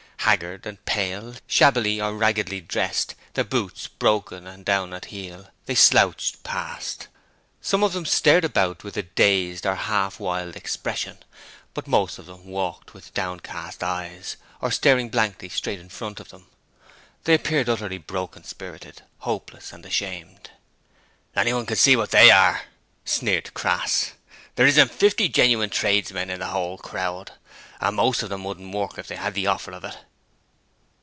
Haggard and pale, shabbily or raggedly dressed, their boots broken and down at heel, they slouched past. Some of them stared about with a dazed or half wild expression, but most of them walked with downcast eyes or staring blankly straight in front of them. They appeared utterly broken spirited, hopeless and ashamed... 'Anyone can see what THEY are,' sneered Crass, 'there isn't fifty genuine tradesmen in the whole crowd, and most of 'em wouldn't work if they 'ad the offer of it.'